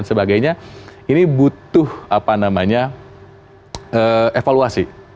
ini butuh evaluasi